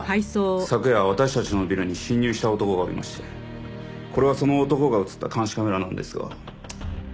昨夜私たちのビルに侵入した男がおりましてこれはその男が映った監視カメラなんですが。